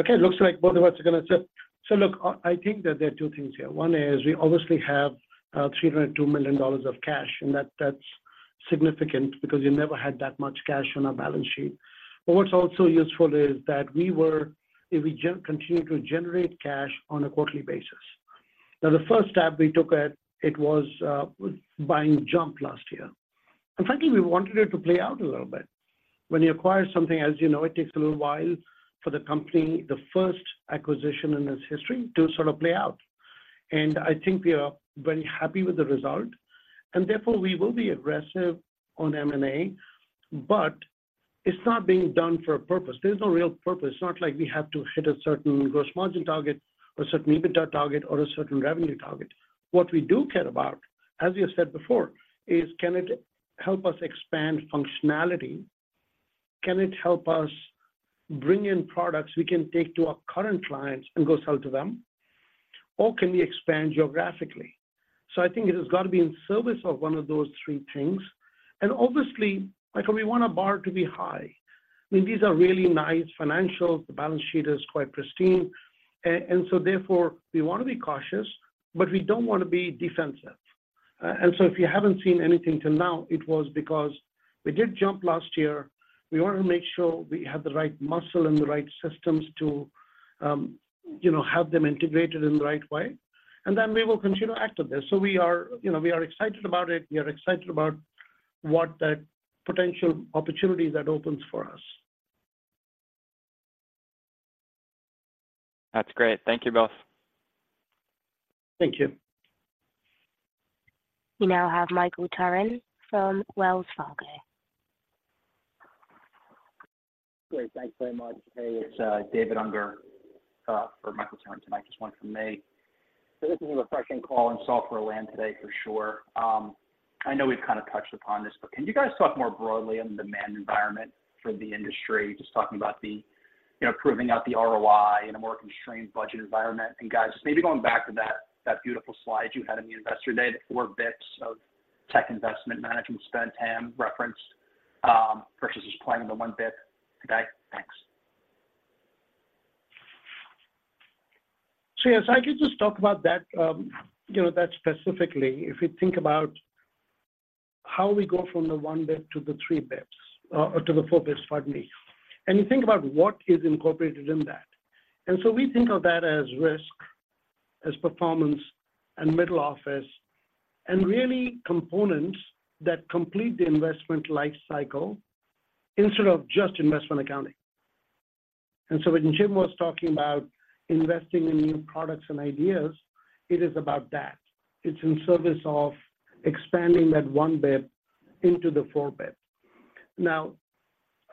Okay, it looks like both of us are gonna jump. So, look, I think that there are two things here. One is we obviously have $302 million of cash, and that's significant because we never had that much cash on our balance sheet. But what's also useful is that we continued to generate cash on a quarterly basis. Now, the first step we took at it was buying JUMP last year. And frankly, we wanted it to play out a little bit. When you acquire something, as you know, it takes a little while for the company, the first acquisition in its history, to sort of play out. And I think we are very happy with the result, and therefore, we will be aggressive on M&A, but it's not being done for a purpose. There's no real purpose. It's not like we have to hit a certain gross margin target or a certain EBITDA target or a certain revenue target. What we do care about, as you said before, is can it help us expand functionality? Can it help us bring in products we can take to our current clients and go sell to them? Or can we expand geographically? So, I think it has got to be in service of one of those three things. And obviously, Michael, we want our bar to be high. I mean, these are really nice financials. The balance sheet is quite pristine, and so therefore, we want to be cautious, but we don't want to be defensive. And so, if you haven't seen anything till now, it was because we did JUMP last year. We wanted to make sure we had the right muscle and the right systems to, you know, have them integrated in the right way, and then we will continue to act on this. So we are, you know, we are excited about it. We are excited about what that potential opportunity that opens for us. That's great. Thank you both. Thank you. We now have Michael Turrin from Wells Fargo. Great. Thanks very much. Hey, it's David Unger for Michael Turrin tonight. Just one from me. So, this is a refreshing call in software land today for sure. I know we've kind of touched upon this, but can you guys talk more broadly on the demand environment for the industry? Just talking about the, you know, proving out the ROI in a more constrained budget environment. And, guys, maybe going back to that, that beautiful slide you had in the Investor Day, the four bits of tech investment management spend TAM referenced, versus just planning the one bit today. Thanks. So yes, I could just talk about that, you know, that specifically. If we think about how we go from the one bit to the three bits, or to the four bits, pardon me, and you think about what is incorporated in that. And so, we think of that as risk, as performance, and middle office, and really components that complete the investment life cycle instead of just investment accounting. And so, when Jim was talking about investing in new products and ideas, it is about that. It's in service of expanding that 1 bit into the four bit. Now,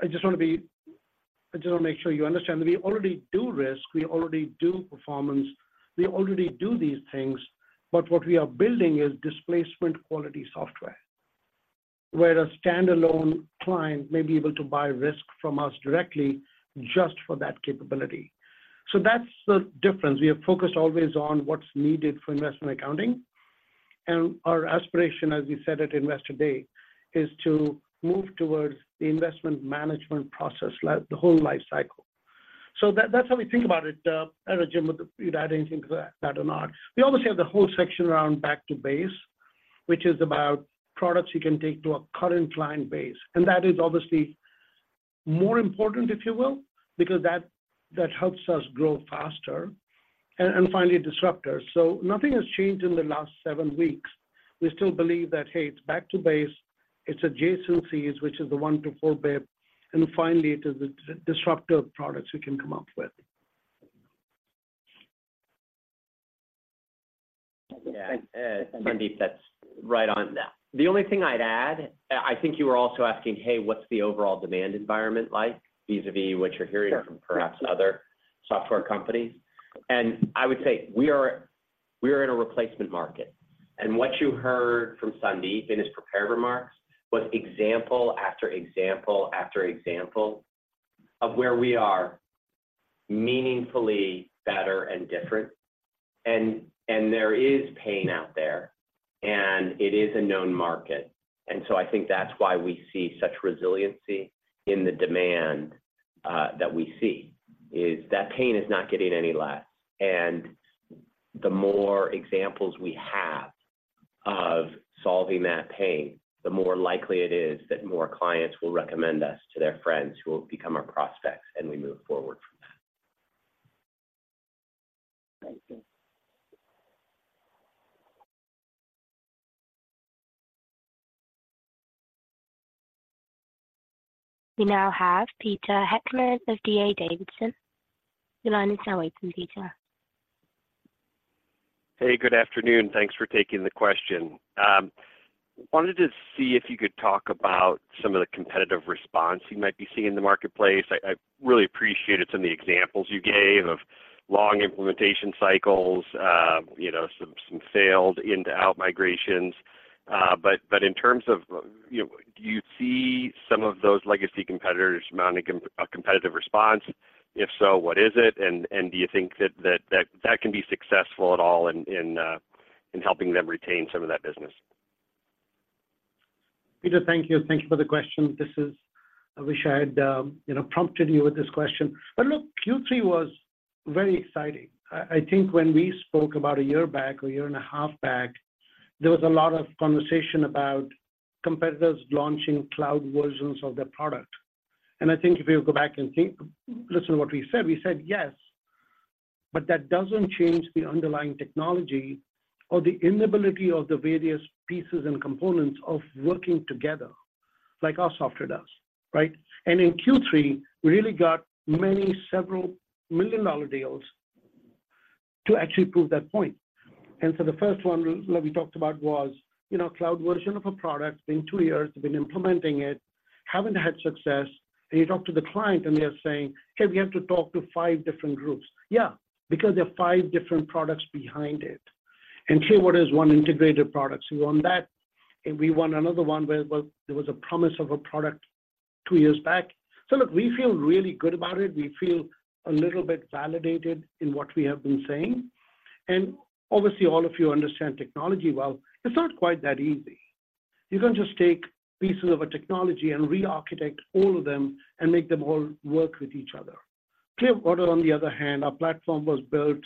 I just want to be... I just want to make sure you understand that we already do risk, we already do performance, we already do these things, but what we are building is displacement quality software, where a standalone client may be able to buy risk from us directly just for that capability. So that's the difference. We are focused always on what's needed for investment accounting, and our aspiration, as we said at Investor Day, is to move towards the investment management process like the whole life cycle. So that, that's how we think about it. I don't know, Jim, would you add anything to that or not? We obviously have the whole section around Back to Base, which is about products you can take to a current client base, and that is obviously more important, if you will, because that helps us grow faster and finally, disruptor. So, nothing has changed in the last seven weeks. We still believe that, hey, it's Back to Base, it's adjacent fees, which is the one to four bit, and finally, it is the disruptive products we can come up with. Yeah, and, Sandeep, that's right on that. The only thing I'd add, I think you were also asking, "Hey, what's the overall demand environment like?" Vis-à-vis what you're hearing from perhaps other software companies. And I would say we are, we are in a replacement market. And what you heard from Sandeep in his prepared remarks was example after example after example of where we are meaningfully better and different. And there is pain out there, and it is a known market. And so, I think that's why we see such resiliency in the demand, that we see, is that pain is not getting any less. And the more examples we have of solving that pain, the more likely it is that more clients will recommend us to their friends, who will become our prospects, and we move forward from that. Thank you. We now have Peter Heckmann of D.A. Davidson. Your line is now open, Peter. Hey, good afternoon. Thanks for taking the question. Wanted to see if you could talk about some of the competitive response you might be seeing in the marketplace. I really appreciated some of the examples you gave of long implementation cycles, you know, some failed in-to-out migrations. But in terms of, you know, do you see some of those legacy competitors mounting a competitive response? If so, what is it? And do you think that can be successful at all in helping them retain some of that business? Peter, thank you. Thank you for the question. This is. I wish I had, you know, prompted you with this question. But look, Q3 was very exciting. I, I think when we spoke about a year back or a year and a half back, there was a lot of conversation about competitors launching cloud versions of their product. And I think if you go back and think, listen to what we said, we said, yes, but that doesn't change the underlying technology or the inability of the various pieces and components of working together, like our software does, right? And in Q3, we really got many several million-dollar deals to actually prove that point. And so, the first one that we talked about was, you know, cloud version of a product, spent two years been implementing it. Haven't had success, and you talk to the client, and they are saying, "Hey, we have to talk to five different groups." Yeah, because there are five different products behind it. And Clearwater is one integrated product. So, we want that, and we want another one where there was, there was a promise of a product two years back. So look, we feel really good about it. We feel a little bit validated in what we have been saying. And obviously, all of you understand technology well. It's not quite that easy. You can't just take pieces of a technology and re-architect all of them and make them all work with each other. Clearwater, on the other hand, our platform was built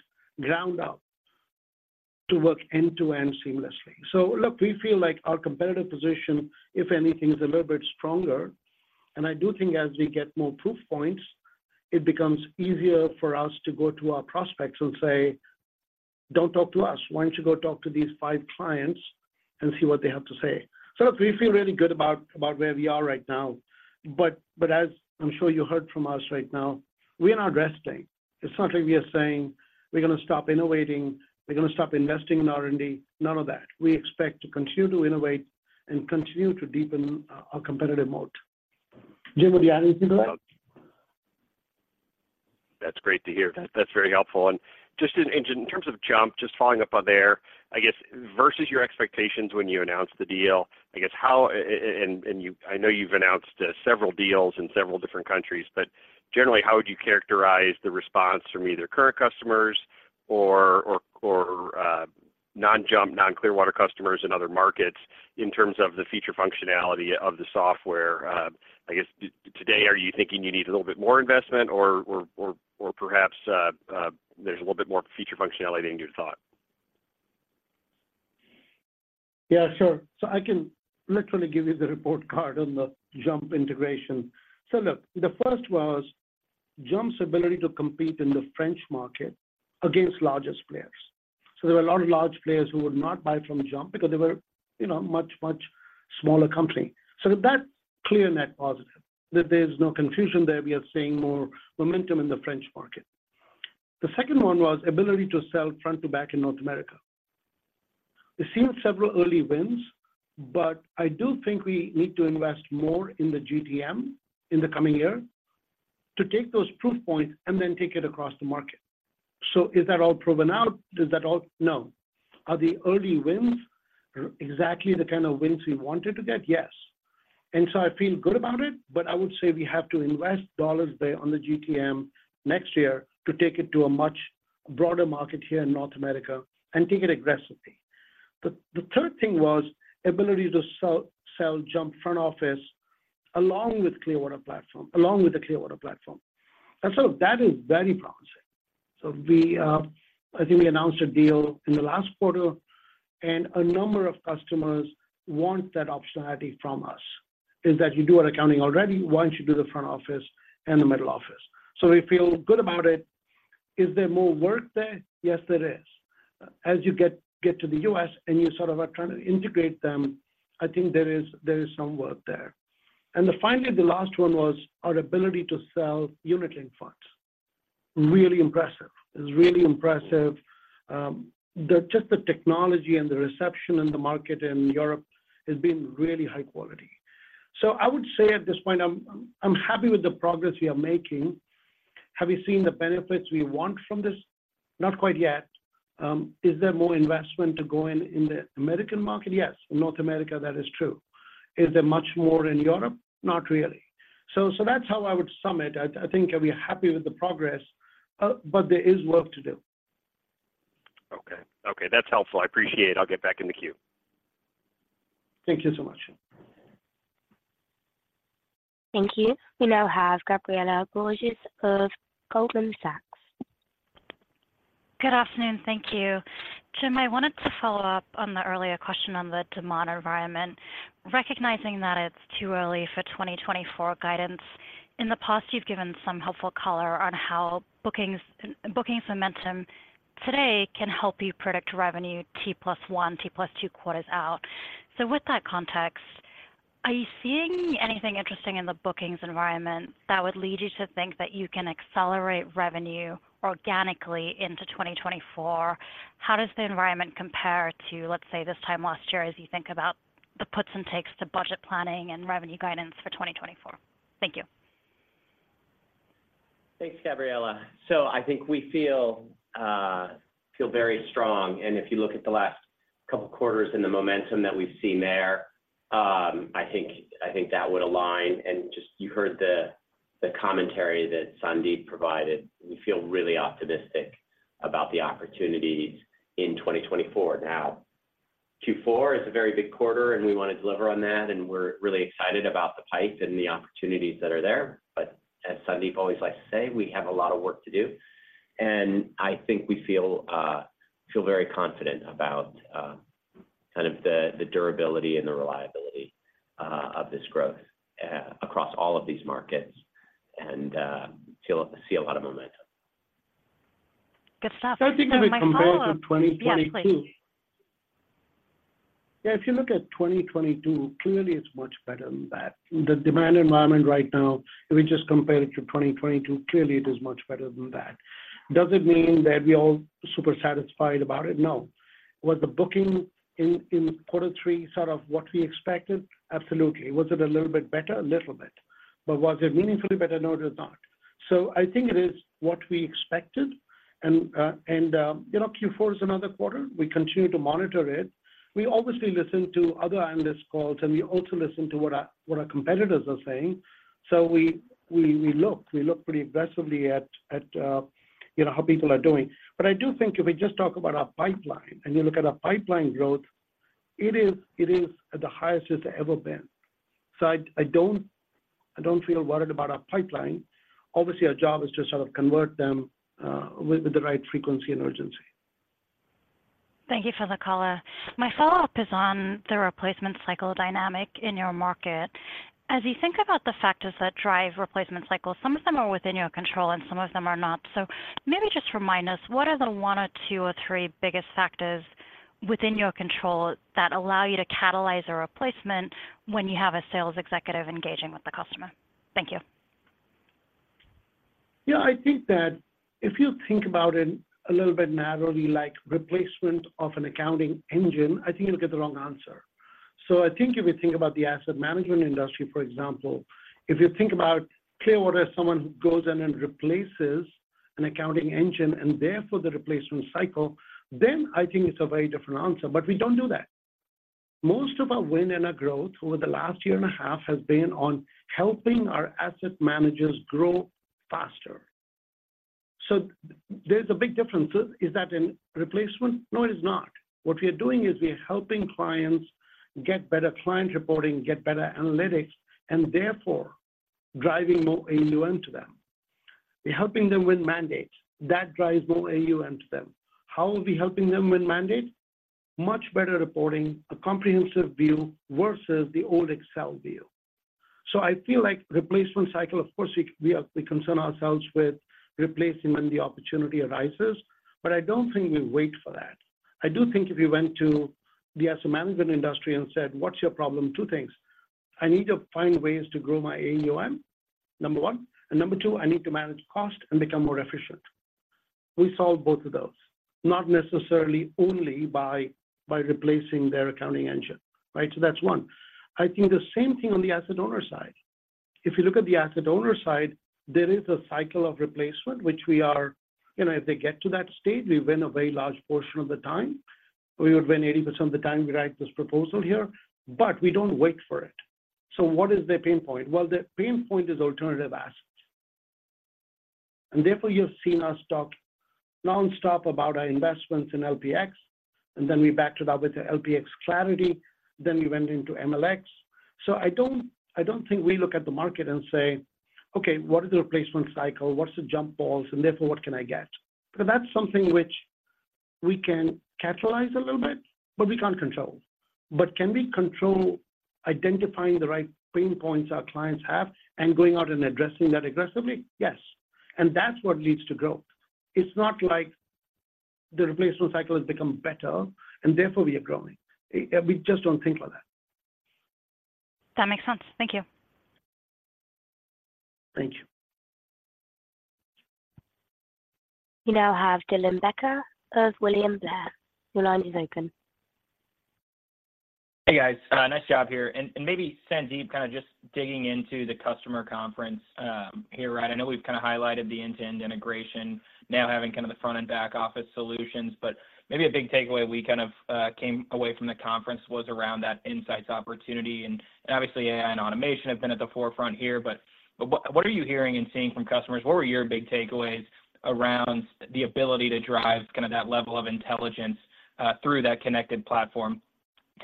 ground up to work end-to-end seamlessly. So look, we feel like our competitive position, if anything, is a little bit stronger. I do think as we get more proof points, it becomes easier for us to go to our prospects and say, "Don't talk to us. Why don't you go talk to these five clients and see what they have to say?" So look, we feel really good about, about where we are right now. But, but as I'm sure you heard from us right now, we are not resting. It's not like we are saying we're gonna stop innovating, we're gonna stop investing in R&D. None of that. We expect to continue to innovate and continue to deepen our, our competitive moat. Jim, would you add anything to that? That's great to hear. That's very helpful. And just in terms of JUMP, just following up on there, I guess, versus your expectations when you announced the deal, I guess how... And you-- I know you've announced several deals in several different countries, but generally, how would you characterize the response from either current customers or non-JUMP, non-Clearwater customers in other markets in terms of the feature functionality of the software? I guess, today, are you thinking you need a little bit more investment or perhaps there's a little bit more feature functionality than you thought? Yeah, sure. So, I can literally give you the report card on the JUMP integration. So look, the first was JUMP's ability to compete in the French market against largest players. So, there were a lot of large players who would not buy from JUMP because they were, you know, much, much smaller company. So that's clear net positive, that there's no confusion there. We are seeing more momentum in the French market. The second one was ability to sell front to back in North America. We've seen several early wins, but I do think we need to invest more in the GTM in the coming year to take those proof points and then take it across the market. So, is that all proven out? Is that all? No. Are the early wins exactly the kind of wins we wanted to get? Yes. And so, I feel good about it, but I would say we have to invest dollars there on the GTM next year to take it to a much broader market here in North America and take it aggressively. The third thing was ability to sell JUMP front office, along with the Clearwater platform. And so that is very promising. So we, I think we announced a deal in the last quarter, and a number of customers want that optionality from us, is that you do our accounting already. Why don't you do the front office and the middle office? So, we feel good about it. Is there more work there? Yes, there is. As you get to the U.S., and you sort of are trying to integrate them, I think there is some work there. And then finally, the last one was our ability to sell Unit-Linked products. Really impressive. It's really impressive. Just the technology and the reception in the market in Europe has been really high quality. So, I would say at this point, I'm, I'm happy with the progress we are making. Have we seen the benefits we want from this? Not quite yet. Is there more investment to go in, in the American market? Yes. In North America, that is true. Is there much more in Europe? Not really. So, so that's how I would sum it. I, I think we are happy with the progress, but there is work to do. Okay. Okay, that's helpful. I appreciate it. I'll get back in the queue. Thank you so much. Thank you. We now have Gabriela Borges of Goldman Sachs. Good afternoon. Thank you. Jim, I wanted to follow up on the earlier question on the demand environment, recognizing that it's too early for 2024 guidance. In the past, you've given some helpful color on how bookings, bookings momentum today can help you predict revenue T + 1, T + 2 quarters out. So, with that context, are you seeing anything interesting in the bookings environment that would lead you to think that you can accelerate revenue organically into 2024? How does the environment compare to, let's say, this time last year, as you think about the puts and takes to budget planning and revenue guidance for 2024? Thank you. Thanks, Gabriella. So, I think we feel, feel very strong, and if you look at the last couple of quarters and the momentum that we've seen there, I think, I think that would align. And just... You heard the commentary that Sandeep provided. We feel really optimistic about the opportunities in 2024. Now, Q4 is a very big quarter, and we want to deliver on that, and we're really excited about the pipe and the opportunities that are there. But as Sandeep always likes to say, we have a lot of work to do, and I think we feel, feel very confident about, kind of the durability and the reliability, of this growth, across all of these markets and, feel-- see a lot of momentum. Good stuff. So, my follow-up- I think if we compare to 2022- Yeah, please. Yeah, if you look at 2022, clearly it's much better than that. The demand environment right now, if we just compare it to 2022, clearly it is much better than that. Does it mean that we're all super satisfied about it? No. Was the booking in quarter three sort of what we expected? Absolutely. Was it a little bit better? A little bit. But was it meaningfully better? No, it is not. So, I think it is what we expected, and, you know, Q4 is another quarter. We continue to monitor it. We obviously listen to other analyst calls, and we also listen to what our competitors are saying. So, we look pretty aggressively at, you know, how people are doing. But I do think if we just talk about our pipeline, and you look at our pipeline growth, it is at the highest it's ever been. So, I don't feel worried about our pipeline. Obviously, our job is to sort of convert them with the right frequency and urgency. Thank you for the call. My follow-up is on the replacement cycle dynamic in your market. As you think about the factors that drive replacement cycles, some of them are within your control and some of them are not. So maybe just remind us, what are the one or two or three biggest factors within your control that allow you to catalyze a replacement when you have a sales executive engaging with the customer? Thank you. Yeah, I think that if you think about it a little bit narrowly, like replacement of an accounting engine, I think you'll get the wrong answer. So, I think if you think about the asset management industry, for example, if you think about Clearwater as someone who goes in and replaces an accounting engine and therefore the replacement cycle, then I think it's a very different answer. But we don't do that. Most of our win and our growth over the last year and a half has been on helping our asset managers grow faster. So, there's a big difference. Is that in replacement? No, it is not. What we are doing is we are helping clients get better client reporting, get better analytics, and therefore driving more AUM to them. We're helping them win mandates. That drives more AUM to them. How are we helping them win mandates? Much better reporting, a comprehensive view versus the old Excel view. So, I feel like replacement cycle, of course, we are. We concern ourselves with replacing when the opportunity arises, but I don't think we wait for that. I do think if we went to the asset management industry and said, "What's your problem?" Two things: I need to find ways to grow my AUM, number one, and number two, I need to manage cost and become more efficient. We solve both of those, not necessarily only by replacing their accounting engine, right? So that's one. I think the same thing on the asset owner side. If you look at the asset owner side, there is a cycle of replacement, which we are. You know, if they get to that stage, we win a very large portion of the time. We would win 80% of the time we write this proposal here, but we don't wait for it. So, what is their pain point? Well, their pain point is alternative assets, and therefore you've seen us talk nonstop about our investments in LPx, and then we backed it up with the LPx Clarity, then we went into MLx. So, I don't, I don't think we look at the market and say, "Okay, what is the replacement cycle? What's the jump balls, and therefore what can I get?" Because that's something which we can catalyze a little bit, but we can't control. But can we control identifying the right pain points our clients have and going out and addressing that aggressively? Yes, and that's what leads to growth. It's not like the replacement cycle has become better and therefore we are growing. We just don't think like that. That makes sense. Thank you. Thank you. We now have Dylan Becker of William Blair. Your line is open. Hey, guys, nice job here. And maybe, Sandeep, kind of just digging into the customer conference here, right? I know we've kind of highlighted the end-to-end integration, now having kind of the front and back-office solutions, but maybe a big takeaway we kind of came away from the conference was around that insights opportunity. And obviously, AI and automation have been at the forefront here, but what are you hearing and seeing from customers? What were your big takeaways around the ability to drive kind of that level of intelligence through that connected platform?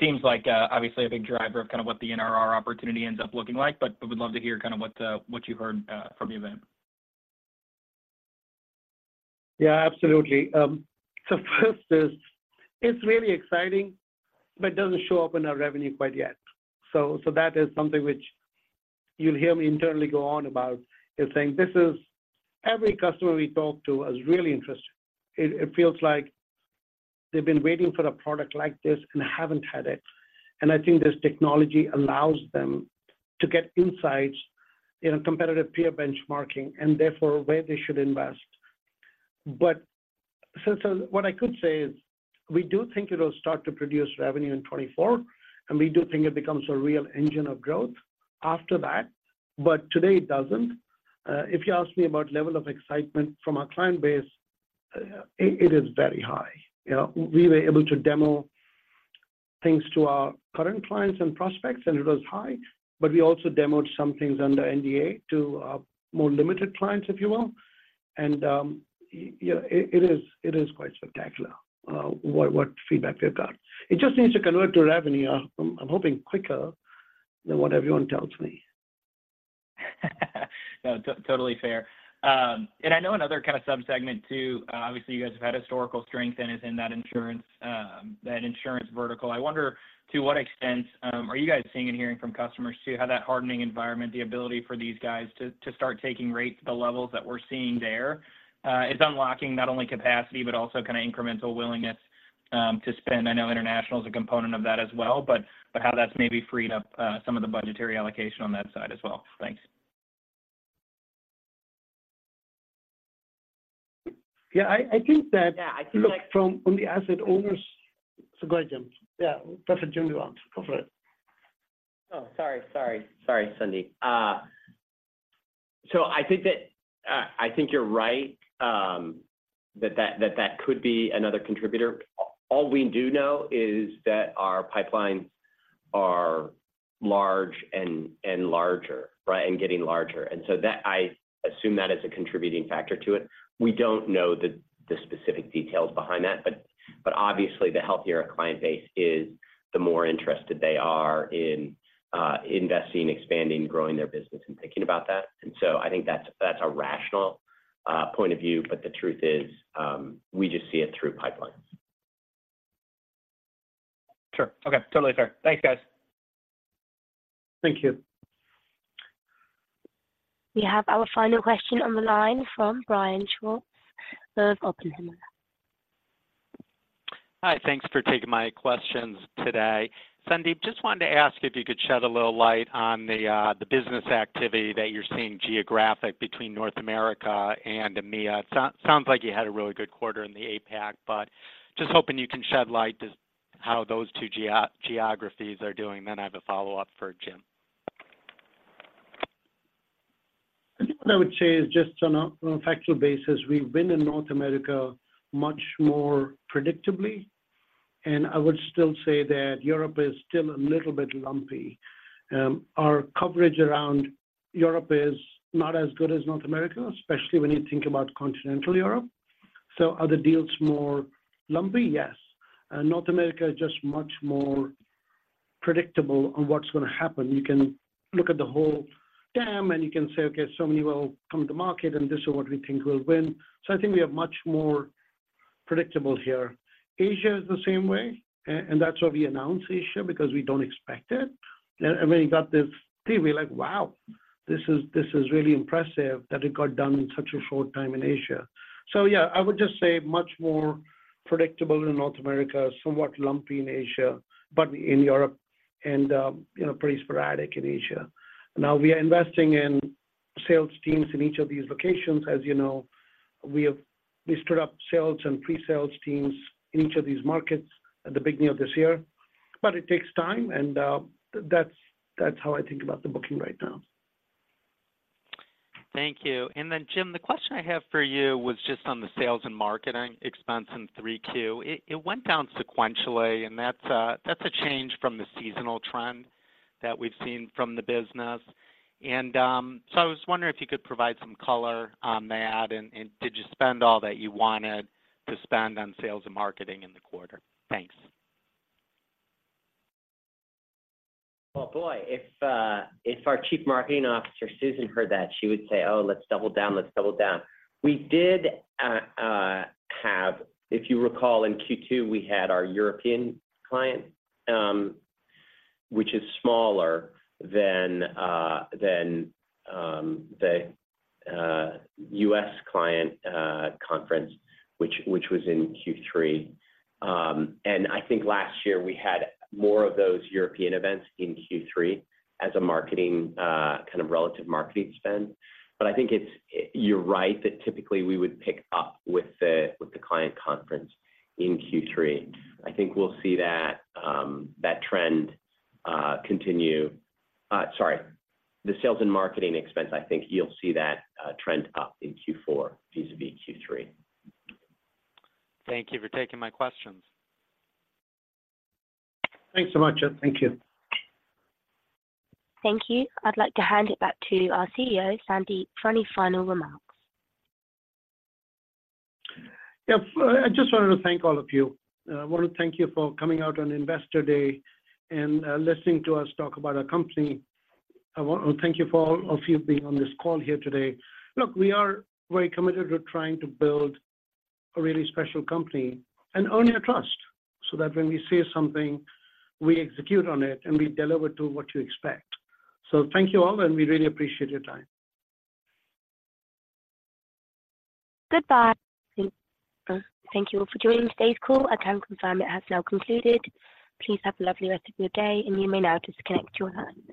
Seems like obviously a big driver of kind of what the NRR opportunity ends up looking like, but would love to hear kind of what you heard from the event. Yeah, absolutely. So first is, it's really exciting, but it doesn't show up in our revenue quite yet. So, so that is something which you'll hear me internally go on about, is saying this is... Every customer we talk to is really interested. It, it feels like they've been waiting for a product like this and haven't had it. And I think this technology allows them to get insights in a competitive peer benchmarking and therefore where they should invest. But so, so what I could say is, we do think it'll start to produce revenue in 2024, and we do think it becomes a real engine of growth after that, but today it doesn't. If you ask me about level of excitement from our client base, it, it is very high. You know, we were able to demo things to our current clients and prospects, and it was high, but we also demoed some things under NDA to more limited clients, if you will. And you know, it is quite spectacular what feedback we've got. It just needs to convert to revenue, I'm hoping quicker than what everyone tells me. No, totally fair. And I know another kind of subsegment too, obviously you guys have had historical strength and is in that insurance, that insurance vertical. I wonder, to what extent, are you guys seeing and hearing from customers too, how that hardening environment, the ability for these guys to, to start taking rates to the levels that we're seeing there, it's unlocking not only capacity but also kind of incremental willingness to spend? I know international is a component of that as well, but, but how that's maybe freed up, some of the budgetary allocation on that side as well. Thanks. Yeah, I think that- Yeah, I think like- Look from on the asset owners... So go ahead, Jim. Yeah, Jim Cox, go for it. Oh, sorry, sorry. Sorry, Sandeep. So, I think that I think you're right, that could be another contributor. All we do know is that our pipelines are large and larger, right? And getting larger, and so that I assume that is a contributing factor to it. We don't know the specific details behind that, but obviously, the healthier our client base is, the more interested they are in investing, expanding, growing their business and thinking about that. And so, I think that's a rational point of view. But the truth is, we just see it through pipelines. Sure. Okay. Totally fair. Thanks, guys. Thank you. We have our final question on the line from Brian Schwartz of Oppenheimer. Hi, thanks for taking my questions today. Sandeep, just wanted to ask if you could shed a little light on the business activity that you're seeing geographically between North America and EMEA. Sounds like you had a really good quarter in the APAC, but just hoping you can shed light as to how those two geographies are doing. Then I have a follow-up for Jim. I think what I would say is just on a factual basis, we've been in North America much more predictably, and I would still say that Europe is still a little bit lumpy. Our coverage around Europe is not as good as North America, especially when you think about continental Europe. So are the deals more lumpy? Yes. North America is just much more predictable on what's gonna happen. You can look at the whole TAM, and you can say: Okay, so many will come to market, and this is what we think will win. So I think we are much more predictable here. Asia is the same way, and that's why we announce Asia, because we don't expect it. And when you got this deal, we're like: Wow, this is, this is really impressive that it got done in such a short time in Asia. So yeah, I would just say much more predictable in North America, somewhat lumpy in Asia, but in Europe and, you know, pretty sporadic in Asia. Now, we are investing in sales teams in each of these locations. As you know, we have stood up sales and pre-sales teams in each of these markets at the beginning of this year, but it takes time, and that's how I think about the booking right now. Thank you. And then, Jim, the question I have for you was just on the sales and marketing expense in Q3. It, it went down sequentially, and that's, that's a change from the seasonal trend that we've seen from the business. And, so I was wondering if you could provide some color on that, and, and did you spend all that you wanted to spend on sales and marketing in the quarter? Thanks. Well, boy, if our Chief Marketing Officer, Susan, heard that, she would say, "Oh, let's double down. Let's double down." We did have. If you recall, in Q2, we had our European client conference, which is smaller than the US client conference, which was in Q3. And I think last year we had more of those European events in Q3 as a marketing, kind of relative marketing spend. But I think it's, you're right that typically we would pick up with the client conference in Q3. I think we'll see that that trend continue. Sorry, the sales and marketing expense, I think you'll see that trend up in Q4 vis-à-vis Q3. Thank you for taking my questions. Thanks so much. Thank you. Thank you. I'd like to hand it back to our CEO, Sandeep, for any final remarks. Yeah. I just wanted to thank all of you. I want to thank you for coming out on Investor Day and, listening to us talk about our company. I want to thank you for all of you being on this call here today. Look, we are very committed to trying to build a really special company and earn your trust, so that when we say something, we execute on it and we deliver to what you expect. So thank you, all, and we really appreciate your time. Goodbye. Thank, thank you all for joining today's call. I can confirm it has now concluded. Please have a lovely rest of your day, and you may now disconnect your lines.